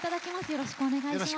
よろしくお願いします。